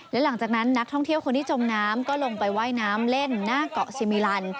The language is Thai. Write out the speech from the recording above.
และหลังจากนั้นนักท่องเที่ยวคนที่จมน้ำก็ลงไปว่ายน้ำเล่นหน้าเกาะซีมิลัน